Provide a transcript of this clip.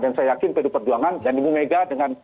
dan saya yakin pd perjuangan dan ibu mega